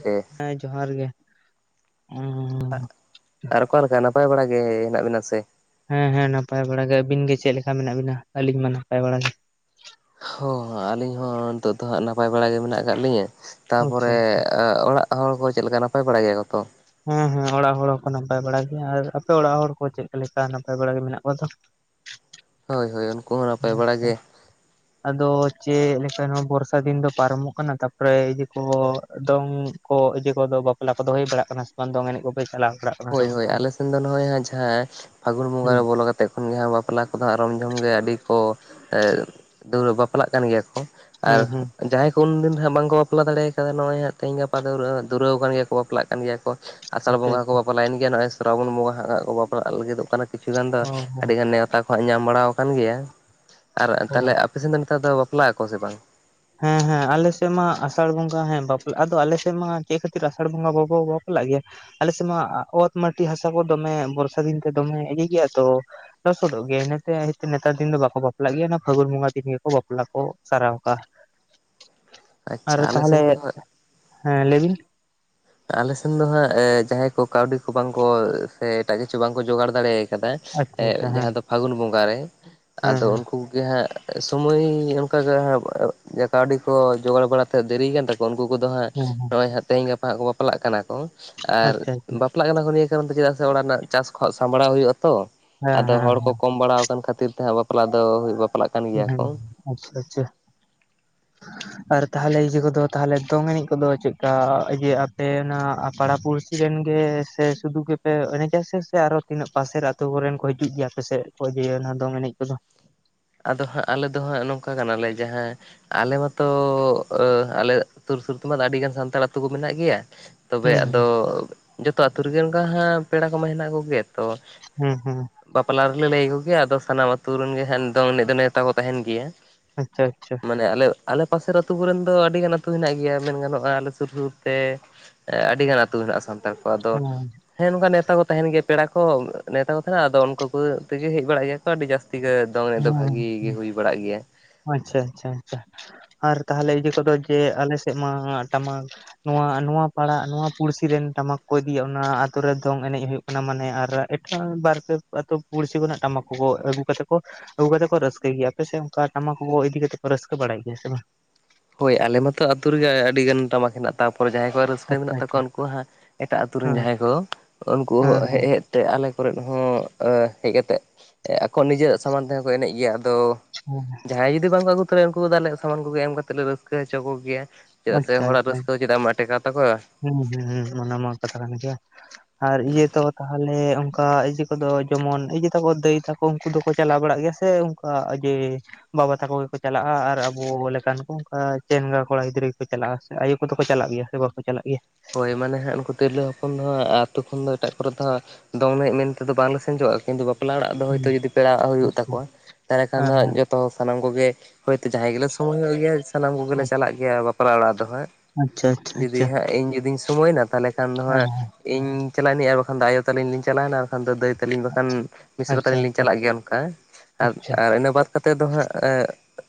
ᱠᱮ ᱦᱮᱸ ᱡᱚᱦᱟᱨ ᱜᱮ᱾ ᱟᱜ ᱟᱨ ᱚᱠᱟᱞᱮᱠᱟ ᱱᱟᱯᱟᱭ ᱵᱟᱲᱟ ᱜᱮ ᱦᱮᱸᱱᱟᱜ ᱵᱤᱱᱟ ᱥᱮ? ᱦᱮᱸ ᱦᱮᱸ ᱱᱟᱯᱟᱭ ᱵᱟᱲᱟ ᱜᱮ, ᱟᱹᱵᱤᱱ ᱜᱮ ᱪᱮᱜ ᱞᱮᱠᱟ ᱢᱮᱱᱟᱜ ᱵᱤᱱᱟ? ᱟᱹᱞᱤᱧ ᱢᱟ ᱱᱟᱯᱟᱭ ᱵᱟᱲᱟ ᱜᱮ᱾ ᱦᱳᱭ ᱟᱹᱞᱤᱧ ᱦᱚᱸ ᱱᱤᱛᱚᱜ ᱫᱚ ᱦᱟᱸᱜ ᱱᱟᱯᱟᱭ ᱵᱟᱲᱟ ᱜᱮ ᱢᱮᱱᱟᱜ ᱠᱟᱫ ᱞᱤᱧᱟᱹ ᱟᱪᱪᱷᱟ ᱛᱟᱨᱯᱚᱨᱮ ᱚᱲᱟᱜ ᱦᱚᱲ ᱠᱚ ᱪᱮᱫ ᱞᱮᱠᱟ ᱱᱟᱯᱟᱭ ᱵᱟᱲᱟᱭ ᱜᱮᱭᱟ ᱠᱚᱛᱚ? ᱦᱮᱸ ᱦᱮᱸ ᱚᱲᱟᱜ ᱦᱚᱲ ᱦᱚᱸᱠᱚ ᱱᱟᱯᱟᱭ ᱵᱟᱲᱟ ᱜᱮᱭᱟ ᱟᱨ ᱟᱯᱮ ᱚᱲᱟᱜ ᱦᱚᱲ ᱠᱚ ᱪᱮᱫ ᱞᱮᱠᱟ ᱱᱟᱯᱟᱭ ᱵᱟᱲᱟ ᱜᱮ ᱢᱮᱱᱟᱜ ᱠᱚᱣᱟ ᱛᱚ? ᱦᱳᱭ ᱦᱳᱭ ᱩᱱᱠᱩ ᱦᱚᱸ ᱱᱟᱯᱟᱭ ᱵᱟᱲᱟ ᱟᱪᱪᱷᱟ ᱜᱮ᱾ ᱟᱫᱚ ᱪᱮᱫ ᱞᱮᱠᱟ ᱱᱚᱣᱟ ᱵᱚᱨᱥᱟ ᱫᱤᱱ ᱫᱚ ᱯᱟᱨᱚᱢᱚᱜ ᱠᱟᱱᱟ ᱛᱟᱨᱯᱚᱨᱮ ᱡᱮ ᱠᱚ ᱫᱚᱝ ᱠᱚ ᱤᱡᱮ ᱠᱚᱫᱚ ᱵᱟᱯᱞᱟ ᱠᱚᱫᱚ ᱦᱩᱭ ᱵᱟᱲᱟᱜ ᱠᱟᱱᱟ ᱥᱮ ᱵᱟᱝ ᱫᱚᱝ ᱮᱱᱮᱡ ᱠᱚᱯᱮ ᱪᱟᱞᱟᱣ ᱵᱟᱲᱟᱜ ᱠᱟᱱᱟ ᱥᱮ ᱦᱳᱭ ᱵᱟᱝ ᱦᱳᱭ ᱛᱟᱦᱚᱞᱮ ᱟᱞᱮᱥᱮᱱ ᱫᱚ ᱱᱚᱜᱼᱚᱭ ᱡᱟᱦᱟᱸ ᱯᱷᱟᱹᱜᱩᱱ ᱵᱚᱸᱜᱟ ᱦᱩᱸ ᱨᱮ ᱵᱚᱞᱚ ᱠᱟ ᱛᱮᱠᱷᱚᱱ ᱜᱮ ᱦᱟᱜ ᱵᱟᱯᱞᱟ ᱠᱚᱫᱚᱜ ᱨᱚᱢ ᱡᱚᱢ ᱜᱮᱭᱟ ᱟᱹᱰᱤ ᱠᱚ ᱵᱟᱯᱞᱟᱜ ᱠᱟᱱ ᱜᱮᱭᱟ ᱠᱚ, ᱟᱨ ᱦᱩᱸ ᱦᱩᱸ ᱡᱟᱦᱟᱸᱭ ᱩᱱ ᱫᱤᱱ ᱦᱟᱸᱜ ᱵᱟᱝᱠᱚ ᱵᱟᱯᱞᱟ ᱫᱟᱲᱮ ᱠᱟᱣᱱᱟᱜ ᱦᱟᱸᱜ ᱛᱮᱦᱮᱧ ᱜᱟᱯᱟ ᱫᱚ ᱫᱩᱨᱟᱹᱣ ᱠᱟᱱ ᱜᱮᱭᱟ ᱠᱚ ᱵᱟᱯᱞᱟᱜ ᱠᱟᱱ ᱜᱮᱭᱟ ᱠᱚ, ᱟᱥᱟᱲ ᱟᱪᱪᱷᱟ ᱵᱚᱸᱜᱟ ᱦᱚᱸᱠᱚ ᱟᱪᱪᱷᱟ ᱵᱟᱯᱞᱟᱭᱮᱱ ᱜᱮᱭᱟ ᱱᱚᱜᱼᱚᱭ ᱥᱨᱟᱵᱚᱱ ᱵᱚᱸᱜᱟ ᱦᱟᱸᱜ ᱠᱚ ᱵᱟᱯᱞᱟᱜ ᱞᱟᱹᱜᱤᱫᱚᱜ ᱠᱟᱱᱟ ᱠᱤᱪᱷ ᱜᱟᱱ ᱫᱚ ᱚ ᱦᱚᱸ ᱟᱹᱰᱤ ᱜᱟᱱ ᱱᱮᱣ ᱛᱟ ᱠᱷᱚ ᱧᱟᱢ ᱵᱟᱲᱟ ᱠᱟᱱ ᱜᱮᱭᱟ ᱟᱨ ᱚ ᱛᱟᱦᱚᱞᱮ ᱟᱯᱮᱥᱮᱱ ᱫᱚ ᱱᱮᱛᱟᱨ ᱫᱚ ᱵᱟᱯᱞᱟᱜ ᱟᱠᱚ ᱥᱮ ᱵᱟᱝ? ᱦᱮᱸ ᱦᱮᱸ ᱟᱞᱮᱥᱮᱫ ᱢᱟ ᱟᱥᱟᱲ ᱵᱚᱸᱜᱟ ᱦᱮᱸ ᱵᱟᱯᱞᱟ ᱟᱫᱚ ᱟᱞᱮᱥᱮᱫ ᱢᱟ ᱪᱮᱫ ᱠᱷᱟᱹᱛᱤᱨ ᱟᱥᱟᱲ ᱵᱚᱸᱜᱟ ᱵᱟᱝᱠᱚ ᱵᱟᱯᱞᱟᱜ ᱜᱮᱭᱟ ᱟᱞᱮᱥᱮᱱ ᱢᱟ ᱚᱛ ᱢᱟᱴᱤ ᱦᱟᱥᱟ ᱠᱚ ᱫᱚᱢᱮ ᱵᱚᱨᱥᱟ ᱫᱤᱱ ᱛᱮ ᱫᱚᱢᱮ ᱤᱭᱟᱹ ᱜᱮᱭᱟ ᱛᱚ ᱞᱚᱥᱚᱫᱚᱜ ᱜᱮᱭᱟ ᱤᱱᱟᱹᱛᱮ ᱱᱮᱛᱟᱨ ᱫᱤᱱ ᱫᱚ ᱵᱟᱠᱚ ᱵᱟᱯᱞᱟᱜ ᱜᱮᱭᱟ ᱚᱱᱟ ᱯᱷᱟᱹᱜᱩᱱ ᱵᱚᱸᱜᱟ ᱫᱤᱱ ᱜᱮᱠᱚ ᱵᱟᱯᱞᱟ ᱠᱚ ᱥᱟᱨᱟᱣ ᱠᱟᱜᱼᱟ᱾ ᱟᱨ ᱟᱪᱪᱷᱟ ᱟᱞᱮ ᱥᱮᱱ ᱛᱟᱦᱞᱮ ᱫᱚ ᱦᱮᱸ ᱞᱟᱹᱭ ᱵᱤᱱ᱾ ᱟᱞᱮᱥᱮᱱ ᱫᱚ ᱦᱟᱸᱜ ᱡᱟᱦᱟᱸᱭ ᱠᱚ ᱠᱟᱹᱣᱰᱤ ᱠᱚ ᱵᱟᱝᱠᱚ ᱥᱮ ᱮᱴᱟᱜ ᱠᱤᱪᱷᱩ ᱵᱟᱝᱠᱚ ᱡᱚᱜᱟᱲ ᱫᱟᱲᱮ ᱠᱟᱫᱟ ᱟᱪᱪᱷᱟ ᱟᱪᱪᱷᱟ ᱮᱸᱜ ᱦᱮᱸ ᱡᱟᱦᱟᱸ ᱫᱚ ᱯᱷᱟᱹᱜᱩᱱ ᱵᱚᱸᱜᱟ ᱨᱮ ᱦᱮᱸ ᱟᱫᱚ ᱩᱱᱠᱩ ᱦᱟᱸᱜ ᱥᱚᱢᱚᱭ ᱚᱱᱠᱟᱜᱮ ᱦᱟᱸᱜ ᱠᱟᱹᱣᱰᱤ ᱠᱚ ᱡᱚᱜᱟᱲ ᱵᱟᱲᱟᱛᱮ ᱫᱮᱨᱤ ᱠᱟᱱ ᱛᱟ ᱠᱚ ᱩᱱᱠᱩ‌ ᱠᱚᱫᱚ ᱦᱟᱸᱜ ᱦᱮᱸ ᱦᱮᱸ ᱦᱮᱸ ᱦᱮᱸ ᱱᱚᱜᱼᱚᱭ ᱛᱮᱦᱮᱧ ᱜᱟᱯᱟ ᱠᱚ ᱵᱟᱯᱞᱟ ᱠᱟᱱᱟ ᱠᱚ ᱟᱨ ᱟᱪᱪᱷᱟ ᱟᱪᱪᱷᱟ ᱵᱟᱯ ᱞᱟᱜ ᱠᱟᱱᱟ ᱠᱚ ᱱᱤᱭᱟᱹ ᱠᱟᱨᱚᱱ ᱛᱮ ᱪᱮᱫᱟᱜ ᱥᱮ ᱚᱲᱟᱜ ᱨᱮᱱᱟᱜ ᱪᱟᱥ ᱠᱚᱦᱚᱸ ᱥᱟᱢᱵᱟᱲᱟᱣ ᱦᱩᱭᱩᱜᱼᱟ ᱛᱚ, ᱦᱮᱸ ᱟᱫᱚ ᱦᱮᱸ ᱦᱚᱲ ᱠᱚ ᱠᱚᱢ ᱵᱟᱲᱟ ᱠᱟᱱ ᱠᱷᱟᱹᱛᱤᱨ ᱛᱮ ᱦᱟᱸᱜ ᱵᱟᱯᱞᱟ ᱫᱚ ᱵᱟᱯᱞᱟᱜ ᱠᱟᱱ ᱜᱮᱭᱟ ᱦᱮᱸ ᱠᱚ ᱟᱪᱪᱷᱟ ᱟᱪᱪᱷᱟ᱾ [inaudible] ᱟᱨ ᱛᱟᱦᱚᱞᱮ ᱤᱭᱟᱹ ᱠᱚᱫᱚ ᱛᱟᱦᱚᱞᱮ ᱫᱚᱝ ᱮᱱᱮᱡ ᱠᱚᱫᱚ ᱪᱮᱫ ᱤᱭᱟᱹ ᱟᱯᱮ ᱚᱱᱟ ᱟ ᱯᱟᱲᱟᱯᱩᱨᱥᱤ ᱨᱮᱱ ᱜᱮ ᱥᱮ ᱥᱩᱫᱩ ᱜᱮᱯᱮ ᱮᱱᱮᱡᱟ ᱥᱮ ᱥᱮ ᱟᱨᱚ ᱛᱤᱱᱟᱹᱜ ᱯᱟᱥᱮᱨ ᱟᱹᱛᱩ ᱠᱚᱨᱮᱱ ᱠᱚ ᱦᱤᱡᱩᱜ ᱜᱮᱭᱟ ᱟᱯᱮ ᱥᱮᱫ ᱠᱚ ᱡᱮ ᱚᱱᱟ ᱫᱚᱝ ᱮᱱᱮᱡ ᱠᱚᱫᱚ? ᱟᱫᱚ ᱦᱟᱸᱜ ᱟᱞᱮ ᱫᱚ ᱦᱟᱸᱜ ᱱᱚᱝᱠᱟ ᱠᱟᱱᱟᱞᱮ ᱡᱟᱦᱟᱸ ᱟᱞᱮ ᱢᱟᱛᱚ ᱟᱞᱮ ᱥᱩᱨ ᱥᱩᱨ ᱛᱮᱢᱟ ᱟᱹᱰᱤᱜᱟᱱ ᱥᱟᱱᱛᱟᱲ ᱟᱹᱛᱩ ᱠᱚ ᱢᱮᱱᱟᱜ ᱜᱮᱭᱟ, ᱛᱚᱵᱮ ᱟᱫᱚ ᱦᱩᱸ ᱡᱚᱛᱚ ᱟᱹᱛᱩ ᱨᱮᱜᱮ ᱚᱱᱠᱟ ᱦᱟᱸᱜ ᱯᱮᱲᱟ ᱠᱚᱢᱟ ᱦᱮᱱᱟᱜ ᱠᱚᱜᱮᱭᱟ, ᱛᱚ ᱦᱮᱸ ᱦᱮᱸ ᱾ ᱵᱟᱯᱞᱟ ᱨᱮᱞᱮ ᱞᱟᱹᱭ ᱟᱠᱚᱜᱮᱭᱟ ᱟᱫᱚ ᱥᱟᱱᱟᱢ ᱟᱹᱛᱩ ᱨᱮᱱᱜᱮ ᱦᱟᱸᱜ ᱫᱚᱝ ᱮᱱᱮᱡ ᱫᱚ ᱱᱮᱣᱛᱟ ᱫᱚ ᱛᱟᱦᱮᱱ ᱜᱮᱭᱟ ᱾ ᱟᱪᱪᱷᱟ ᱟᱪᱪᱷᱟ ᱾ ᱢᱟᱱᱮ ᱟᱞᱮ ᱟᱞᱮ ᱯᱟᱥᱮᱨ ᱟᱹᱛᱩ ᱠᱚᱨᱮᱱ ᱫᱚ ᱟᱹᱰᱤᱜᱟᱱ ᱟᱹᱛᱩ ᱦᱮᱱᱟᱜ ᱜᱮᱭᱟ ᱢᱮᱱ ᱜᱟᱱᱚᱜᱼᱟ ᱟᱞᱮ ᱥᱩᱨ ᱥᱩᱨᱛᱮ ᱟᱹᱰᱤ ᱜᱟᱱ ᱟᱹᱛᱩ ᱦᱮᱱᱟᱜᱼᱟ ᱥᱟᱱᱛᱟᱲ ᱠᱚᱣᱟᱜ ᱟᱫᱚ ᱦᱩᱸ ᱦᱮᱸ ᱱᱚᱝᱠᱟ ᱱᱮᱣᱛᱟ ᱠᱚ ᱛᱟᱦᱮᱱ ᱜᱮᱭᱟ ᱯᱮᱲᱟ ᱠᱚᱦᱚᱸ ᱱᱮᱶᱛᱟ ᱠᱚ ᱛᱟᱦᱮᱱᱟ, ᱟᱫᱚ ᱩᱱᱠᱩ ᱠᱚ ᱛᱮᱜᱮ ᱦᱮᱡ ᱵᱟᱲᱟᱜ ᱜᱮᱭᱟ ᱠᱚ ᱟᱹᱰᱤ ᱡᱟᱹᱥᱛᱤ ᱜᱮ ᱫᱚᱝ ᱮᱱᱮᱡ ᱫᱚ ᱦᱩᱸ ᱵᱷᱟᱜᱤ ᱜᱮ ᱦᱩᱭ ᱵᱟᱲᱟᱜ ᱜᱮᱭᱟ ᱾ ᱟᱪᱪᱷᱟ ᱟᱪᱪᱷᱟ ᱟᱪᱪᱷᱟ, ᱟᱨ ᱛᱟᱦᱚᱞᱮ ᱤᱭᱟᱹ ᱠᱚᱫᱚ ᱡᱮ ᱟᱞᱮᱥᱮᱫ ᱢᱟ ᱴᱟᱢᱟᱠ ᱱᱚᱣᱟ ᱱᱚᱣᱟ ᱯᱟᱲᱟ ᱱᱚᱣᱟ ᱯᱩᱲᱥᱤ ᱨᱮᱱ ᱴᱟᱢᱟᱠ ᱠᱚ ᱤᱫᱤᱭᱟ ᱚᱱᱟ ᱟᱛᱩ ᱨᱮ ᱫᱚᱝ ᱮᱱᱮᱡ ᱦᱩᱭᱩᱜ ᱢᱟᱱᱮ ᱟᱨ ᱮᱴᱟᱜ ᱵᱟᱨ ᱯᱮ ᱟᱹᱛᱩ ᱯᱩᱲᱥᱤ ᱠᱚᱨᱮᱱᱟᱜ ᱴᱟᱢᱟᱠ ᱠᱚ ᱟᱹᱜᱩ ᱠᱟᱛᱮ ᱠᱚ ᱟᱹᱜᱩ ᱠᱟᱛᱮ ᱠᱚ ᱨᱟᱹᱥᱠᱟᱹᱭ ᱜᱮᱭᱟ ᱾ ᱟᱯᱮ ᱥᱮ ᱚᱱᱠᱟ ᱴᱟᱢᱟᱠ ᱠᱚᱠᱚ ᱤᱫᱤ ᱠᱟᱛᱮ ᱠᱚ ᱨᱟᱹᱥᱠᱟᱹ ᱵᱟᱲᱟᱭ ᱜᱮᱭᱟ ᱥᱮ ᱵᱟᱝ? ᱦᱳᱭ, ᱟᱞᱮ ᱢᱟᱛᱚ ᱟᱛᱩ ᱨᱮᱜᱮ ᱟᱹᱰᱤ ᱜᱟᱱ ᱴᱟᱢᱟᱠ ᱦᱮᱱᱟᱜ, ᱛᱟᱯᱚᱨᱮ ᱡᱟᱦᱟᱸᱭ ᱠᱚᱣᱟᱜ ᱨᱟᱹᱥᱠᱟᱹ ᱟᱪᱪᱷᱟ ᱢᱮᱱᱟᱜ ᱟᱪᱪᱷᱟ ᱛᱟᱠᱚᱣᱟ ᱩᱱᱠᱩ ᱦᱟᱸᱜ ᱮᱴᱟᱜ ᱟᱛᱩ ᱨᱮᱱ ᱦᱮᱸ ᱦᱮᱸ ᱡᱟᱦᱟᱸᱭ ᱠᱚ ᱩᱱᱠᱩ ᱦᱮᱡ ᱦᱮᱸ ᱦᱮᱡ ᱛᱮ ᱟᱞᱮ ᱠᱚᱨᱮᱫ ᱦᱚᱸ ᱟᱸ ᱦᱮᱡ ᱠᱟᱛᱮᱫ ᱟᱠᱚ ᱱᱤᱡᱮᱨᱟᱜ ᱥᱟᱢᱟᱱ ᱛᱮᱦᱚᱸ ᱠᱚ ᱮᱱᱮᱡ ᱜᱮᱭᱟ ᱾ ᱟᱫᱚ ᱡᱟᱦᱟᱸᱭ ᱡᱩᱫᱤ ᱵᱟᱝᱠᱚ ᱟᱹᱜᱩ ᱛᱚᱨᱟᱭ ᱩᱱᱠᱩ ᱫᱚ ᱟᱞᱮᱭᱟᱜ ᱥᱟᱢᱟᱱ ᱠᱚ ᱮᱢ ᱠᱟᱛᱮ ᱞᱮ ᱨᱟᱹᱥᱠᱟᱹ ᱦᱚᱪᱚ ᱠᱚᱜᱮᱭᱟ ᱾ ᱪᱮᱫᱟᱜ ᱥᱮ ᱟᱪᱪᱷᱟ ᱦᱚᱲᱟᱜ ᱟᱪᱪᱷᱟ ᱨᱟᱹᱥᱠᱟᱹ ᱪᱮᱫᱟᱜ ᱮᱢ ᱟᱴᱮᱠᱟᱣ ᱛᱟᱠᱚᱣᱟ ᱾ ᱦᱩᱸ ᱦᱩᱸ ᱦᱩᱸ ᱾ ᱚᱱᱟ ᱢᱟ ᱠᱟᱛᱷᱟ ᱠᱟᱱ ᱜᱮᱭᱟ ᱟᱨ ᱤᱭᱟᱹ ᱛᱚ ᱛᱟᱦᱚᱞᱮ ᱚᱱᱠᱟ ᱤᱭᱟᱹ ᱠᱚᱫᱚ ᱡᱮᱢᱚᱱ ᱮᱤᱡᱮ ᱛᱟᱠᱚ ᱫᱟᱹᱭ ᱛᱟᱠᱚ ᱩᱱᱠᱩ ᱫᱚᱠᱚ ᱪᱟᱞᱟᱣ ᱵᱟᱲᱟᱜ ᱜᱮᱭᱟ ᱥᱮ ᱚᱝᱠᱟ ᱡᱮ ᱵᱟᱵᱟ ᱛᱟᱠᱚ ᱜᱮᱠᱚ ᱪᱟᱞᱟᱜᱼᱟ ᱟᱨ ᱟᱵᱚ ᱞᱮᱠᱟᱱ ᱠᱚ ᱚᱱᱠᱟ ᱪᱮᱝᱲᱟ ᱠᱚᱲᱟ ᱜᱤᱫᱽᱨᱟᱹ ᱜᱮᱠᱚ ᱪᱟᱞᱟᱜᱼᱟ? ᱟᱭᱳ ᱠᱚᱫᱚ ᱠᱚ ᱪᱟᱞᱟᱜ ᱜᱮᱭᱟ ᱥᱮ ᱵᱟᱠᱚ ᱪᱟᱞᱟᱜ ᱜᱮᱭᱟ? ᱦᱳᱭ ᱢᱟᱱᱮ ᱦᱟᱸᱜ ᱩᱱᱠᱩ ᱛᱤᱨᱞᱟᱹ ᱦᱚᱯᱚᱱ ᱫᱚ ᱦᱟᱸᱜ ᱟᱛᱳ ᱠᱷᱚᱱ ᱫᱚ ᱮᱴᱟᱜ ᱠᱚᱨᱮ ᱫᱚ ᱦᱟᱸᱜ ᱫᱚᱝ ᱮᱱᱮᱡ ᱢᱮᱱ ᱛᱮᱫᱚ ᱵᱟᱝᱞᱮ ᱥᱮᱱ ᱪᱚᱣᱟᱜ ᱦᱩᱭᱩᱜᱼᱟ ᱠᱤᱱᱛᱩ ᱵᱟᱯᱞᱟ ᱚᱲᱟᱜ ᱫᱚ ᱦᱚᱭᱛᱳ ᱦᱮᱸ ᱡᱩᱫᱤ ᱯᱮᱲᱟ ᱟᱜ ᱦᱩᱭᱩᱜ ᱛᱟᱠᱚᱣᱟ ᱛᱟᱦᱚᱞᱮ ᱠᱷᱟᱱ ᱦᱟᱸ ᱦᱮᱸ ᱡᱚ ᱛᱚ ᱥᱟᱱᱟᱢ ᱠᱚᱜᱮ ᱦᱚᱭᱛᱳ ᱡᱟᱦᱟᱸᱭ ᱜᱮᱞᱮ ᱥᱚᱢᱚᱭᱚᱜ ᱜᱮᱭᱟ ᱥᱟᱱᱟᱢ ᱠᱚᱜᱮᱞᱮ ᱪᱟᱞᱟᱜ ᱜᱮᱭᱟ ᱵᱟᱯᱞᱟ ᱚᱲᱟᱜ ᱫᱚ ᱦᱟᱸᱜ ᱾ ᱟᱪᱪᱷᱟ ᱟᱪᱪᱷᱟ ᱟᱪᱪᱷᱟ ᱾ ᱥᱚᱢᱚᱭᱱᱟ ᱛᱟᱦᱚᱞᱮ ᱠᱷᱟᱱ ᱫᱚ ᱦᱟᱸᱜ ᱤᱧ ᱪᱟᱞᱟᱜ ᱱᱟᱹᱧ ᱟᱨ ᱵᱟᱠᱷᱟᱱ ᱫᱚ ᱟᱭᱳ ᱛᱟᱞᱤᱧ ᱞᱤᱧ ᱪᱟᱞᱟᱣᱱᱟ ᱟᱨ ᱵᱟᱠᱷᱟᱱ ᱫᱚ ᱫᱟᱹᱭ ᱛᱟᱹᱞᱤᱧ ᱵᱟᱠᱷᱟᱱ ᱢᱤᱥᱨᱟ ᱟᱪᱪᱷᱟ ᱛᱟᱞᱤᱧ ᱞᱤᱧ ᱟᱪᱪᱷᱟ ᱪᱟᱞᱟᱜ ᱜᱮᱭᱟ ᱚᱱᱠᱟ ᱾ ᱟᱨ ᱟᱪᱪᱷᱟ ᱟᱨ ᱤᱱᱟᱹ ᱵᱟᱫᱽ ᱠᱟᱛᱮ ᱫᱚ ᱦᱟᱸᱜ ᱮ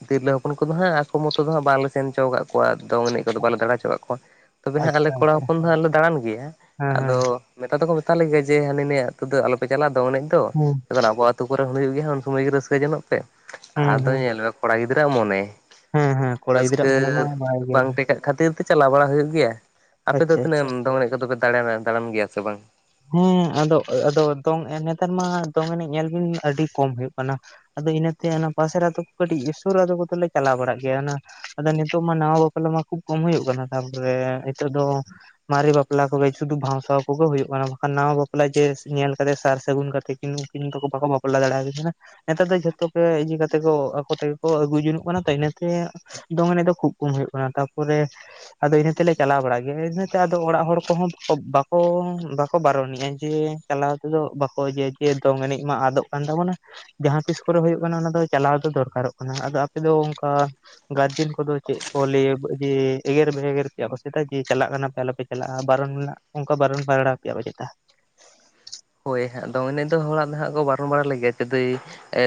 ᱛᱤᱨᱞᱟᱹ ᱦᱚᱯᱚᱱ ᱠᱚᱫᱚ ᱦᱟᱸᱜ ᱟᱠᱚ ᱢᱚᱛᱚ ᱫᱚ ᱦᱟᱸᱜ ᱵᱟᱝᱞᱮ ᱥᱮᱱ ᱪᱚ ᱠᱟᱫ ᱠᱚᱣᱟ ᱫᱚᱝ ᱮᱱᱮᱡ ᱠᱚᱫᱚ ᱵᱟᱞᱮ ᱫᱟᱬᱟ ᱪᱚ ᱠᱟᱫ ᱠᱚᱣᱟ ᱾ ᱛᱚᱵᱮ ᱦᱟᱸᱜ ᱟᱞᱮ ᱟᱪᱪᱷᱟ ᱠᱚᱲᱟ ᱟᱪᱪᱷᱟ ᱦᱚᱯᱚᱱ ᱫᱚᱞ ᱞᱮ ᱫᱟᱬᱟᱱ ᱜᱮᱭᱟ, ᱦᱮᱸ ᱦᱮᱸ ᱟᱫᱚ ᱢᱮᱛᱟ ᱫᱚᱠᱚ ᱢᱮᱛᱟ ᱞᱮ ᱜᱮᱭᱟ ᱡᱮ ᱦᱟᱹᱱᱤ ᱱᱤᱭᱟᱹ ᱟᱹᱛᱩ ᱫᱚ ᱟᱞᱚ ᱯᱮ ᱪᱟᱞᱟᱜᱼᱟ ᱫᱚᱝ ᱮᱱᱮᱡ ᱫᱚ ᱦᱩᱸ ᱾ ᱡᱚᱠᱷᱚᱱ ᱟᱵᱚᱣᱟᱜ ᱟᱹᱛᱩ ᱠᱚᱨᱮ ᱦᱚᱸ ᱦᱩᱭᱩᱜ ᱜᱮᱭᱟ ᱩᱱ ᱥᱚᱢᱚᱭ ᱜᱮ ᱨᱟᱹᱥᱠᱟᱹ ᱡᱚᱱᱚᱜ ᱯᱮ ᱾ ᱦᱩᱸ ᱟᱫᱚ ᱦᱩᱸ ᱧᱮᱞ ᱢᱮ ᱠᱚᱲᱟ ᱜᱤᱫᱽᱨᱟᱹᱣᱟᱜ ᱢᱚᱱᱮ ᱦᱮᱸ ᱦᱮᱸ ᱠᱚᱲᱟ ᱜᱤᱫᱽᱨᱟᱹᱣᱟᱜ ᱨᱟᱹᱥᱠᱟᱹ ᱢᱚᱱᱮ ᱢᱟ ᱵᱟᱭ ᱜᱮᱭᱟ ᱵᱟᱝ ᱟᱪᱪᱷᱟ ᱴᱮᱠᱟᱜ ᱠᱷᱟᱹᱛᱤᱨ ᱛᱮ ᱪᱟᱞᱟᱣ ᱵᱟᱲᱟ ᱦᱩᱭᱩᱜ ᱜᱮᱭᱟ ᱾ ᱟᱯᱮ ᱫᱚ ᱟᱪᱪᱷᱟ ᱛᱤᱱᱟᱹᱜ ᱜᱟᱱ ᱫᱚᱝ ᱮᱱᱮᱡ ᱠᱚᱫᱚ ᱯᱮ ᱫᱟᱲᱮᱱᱟ ᱫᱟᱲᱟᱱ ᱜᱮᱭᱟ ᱥᱮ ᱵᱟᱝ? ᱦᱮᱸ, ᱟᱫᱚ ᱟᱫᱚ ᱫᱚᱝ ᱱᱮᱛᱟᱨ ᱢᱟ ᱫᱚᱝ ᱮᱱᱮᱡ ᱧᱮᱞ ᱵᱤᱱ ᱟᱹᱰᱤ ᱠᱚᱢ ᱦᱩᱭᱩᱜ ᱠᱟᱱᱟ ᱾ ᱟᱫᱚ ᱤᱱᱟᱹᱛᱮ ᱚᱱᱟ ᱯᱟᱥᱮᱨ ᱟᱹᱛᱩ ᱠᱚ ᱠᱟᱹᱴᱤᱡ ᱥᱩᱨ ᱟᱫᱚ ᱠᱚᱫᱚ ᱞᱮ ᱪᱟᱞᱟᱣ ᱵᱟᱲᱟᱜ ᱜᱮᱭᱟ, ᱚᱱᱟ ᱟᱫᱚ ᱱᱤᱛᱚᱜ ᱢᱟ ᱱᱟᱣᱟ ᱵᱟᱯᱞᱟ ᱢᱟ ᱠᱷᱩᱵ ᱠᱚᱢ ᱦᱩᱭᱩᱜ ᱠᱟᱱᱟ ᱾ ᱛᱟᱨᱯᱚᱨᱮ ᱦᱤᱛᱚᱜ ᱫᱚ ᱢᱟᱨᱮ ᱵᱟᱯᱞᱟ ᱠᱚᱜᱮ ᱥᱩᱫᱩ ᱵᱷᱟᱣᱥᱟᱸᱶᱟ ᱠᱚᱜᱮ ᱦᱳᱭᱳᱜ ᱠᱟᱱᱟ ᱾ ᱠᱷᱟᱱ ᱱᱟᱣᱟ ᱵᱟᱯᱞᱟ ᱡᱮ ᱧᱮᱞ ᱠᱟᱫᱮᱭᱟ ᱥᱟᱨ ᱥᱟᱹᱜᱩᱱ ᱠᱟᱛᱮ ᱠᱤᱱ ᱩᱱ ᱠᱤᱱ ᱫᱚ ᱵᱟᱠᱚ ᱵᱟᱯᱞᱟ ᱫᱟᱲᱮᱭᱟᱠᱤᱱ ᱠᱟᱱᱟ ᱾ ᱱᱮᱛᱟᱨ ᱫᱚ ᱡᱷᱚᱛᱚ ᱜᱮ ᱤᱭᱟᱹ ᱠᱟᱛᱮ ᱠᱚ ᱟᱠᱚ ᱛᱮᱜᱮ ᱠᱚ ᱟᱹᱜᱩ ᱡᱚᱝᱚᱜ ᱠᱟᱱᱟ ᱛᱚ, ᱤᱱᱟᱹᱛᱮ ᱫᱚᱝ ᱮᱱᱮᱡ ᱫᱚ ᱠᱷᱩᱵ ᱠᱚᱢ ᱦᱩᱭᱩᱜ ᱠᱟᱱᱟ, ᱛᱟᱨᱯᱚᱨᱮ ᱟᱫᱚ ᱤᱱᱟᱹ ᱛᱮᱞᱮ ᱪᱟᱞᱟᱣ ᱵᱟᱲᱟᱜ ᱜᱮᱭᱟ ᱤᱱᱟᱹᱛᱮ ᱟᱫᱚ ᱚᱲᱟᱜ ᱦᱚᱲ ᱠᱚᱦᱚᱸ ᱵᱟᱠᱚ [unintelligible] ᱠᱚ ᱵᱟᱨᱚᱱᱮᱜᱼᱟ ᱡᱮ ᱪᱟᱞᱟᱣ ᱛᱮᱫᱚ ᱵᱟᱠᱚ ᱡᱮ ᱫᱚᱝ ᱮᱱᱮᱡ ᱢᱟ ᱟᱫᱚᱜ ᱠᱟᱱ ᱛᱟᱵᱚᱱᱟ ᱾ ᱡᱟᱦᱟᱸ ᱛᱤᱥ ᱠᱚᱨᱮ ᱦᱩᱭᱩᱜ ᱠᱟᱱᱟ, ᱚᱱᱟ ᱫᱚ ᱪᱟᱞᱟᱣ ᱫᱚ ᱫᱚᱨᱠᱟᱨᱚᱜ ᱠᱟᱱᱟ ᱾ ᱟᱫᱚ ᱟᱯᱮ ᱫᱚ ᱚᱱᱠᱟᱼᱼ ᱜᱟᱨᱡᱮᱱ ᱠᱚᱫᱚ ᱪᱮᱫ ᱠᱚ ᱞᱟᱹᱭᱟ ᱡᱮ ᱮᱜᱮᱨ ᱵᱮᱜᱮᱨ ᱯᱮᱭᱟ ᱠᱚ, ᱪᱮᱫᱟ ᱡᱮ ᱪᱟᱞᱟᱜ ᱠᱟᱱᱟ ᱯᱮ ᱟᱞᱚ ᱯᱮᱼᱼ ᱪᱟᱞᱟᱜᱼᱟ ᱵᱟᱨᱚᱱ ᱢᱮᱱᱟᱜ ᱚᱱᱠᱟ ᱵᱟᱨᱚᱱ ᱯᱟᱭᱲᱟ ᱯᱮᱭᱟ ᱠᱚ ᱪᱮᱫᱟ? ᱦᱳᱭ ᱦᱟᱜ ᱫᱚᱝ ᱮᱱᱮᱡ ᱫᱚ ᱦᱚᱲᱟᱜ ᱫᱚ ᱦᱟᱜ ᱠᱚ ᱵᱟᱨᱚᱱ ᱵᱟᱲᱟ ᱞᱮᱜᱮᱭᱟ ᱡᱩᱫᱤ